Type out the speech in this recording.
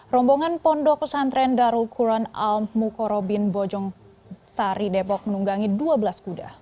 rombongan pondok pesantren darul quran al mukorobin bojong sari depok menunggangi dua belas kuda